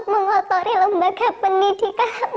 mengotori lembaga pendidikan